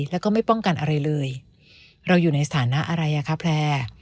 แล้วก็ไม่ป้องกันอะไรเลยเราอยู่ในสถานะอะไรอ่ะคะแพร่